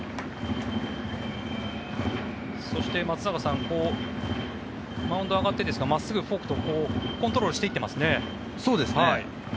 そして松坂さんマウンドに上がってですが真っすぐフォークとコントロールしていってますね。